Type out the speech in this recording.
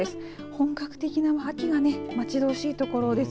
本格的な秋が待ち遠しいところです。